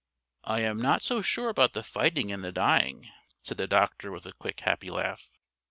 "I am not so sure about the fighting and the dying," said the doctor with a quick, happy laugh.